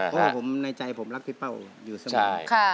เพราะว่าในใจผมรักพี่เป้าว่างอยู่สมัย